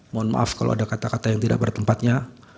mohon maaf kalau ada kata kata yang tidak bertempatnya